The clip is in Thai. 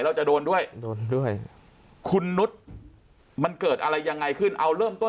เราจะโดนด้วยโดนด้วยคุณนุษย์มันเกิดอะไรยังไงขึ้นเอาเริ่มต้น